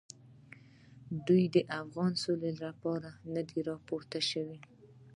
دوی د افغان سوکالۍ لپاره نه دي راپورته شوي.